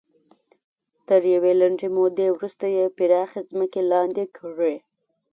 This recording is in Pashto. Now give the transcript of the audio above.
تر یوې لنډې مودې وروسته یې پراخې ځمکې لاندې کړې.